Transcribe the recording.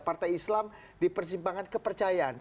partai islam di persimpangan kepercayaan